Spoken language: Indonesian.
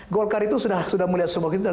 golkar itu sudah melihat semua itu